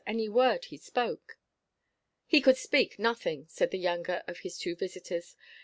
Any word he spoke." "He could speak nothing," said the younger of his two visitors.